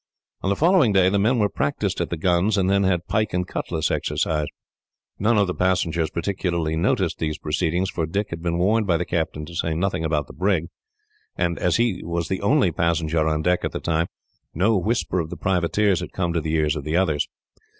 On the following day the men were practised at the guns, and then had pike and cutlass exercise. None of the passengers particularly noticed these proceedings, for Dick had been warned by the captain to say nothing about the brig; and as he was the only passenger on deck at the time, no whisper of the privateers had come to the ears of the others.